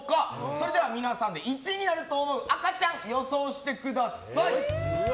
それでは皆さん１位になると思う赤ちゃんを予想してください！